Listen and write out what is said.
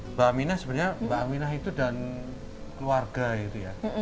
sebenarnya mbak aminah itu dan keluarga itu ya